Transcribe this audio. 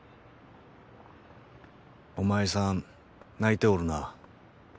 おまいさん泣いておるな。